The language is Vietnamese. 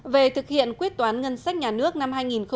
về thực hiện quyết toán ngân sách nhà nước năm hai nghìn một mươi bảy